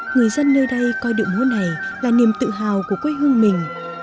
người dân nơi đây coi điệu múa này là niềm tự hào của quê hương mình